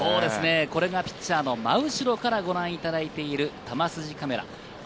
これがピッチャーの真後ろからご覧いただいている球筋カメラ。